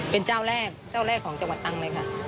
เป็นเจ้าแรกเจ้าแรกของจังหวัดตังเลยค่ะ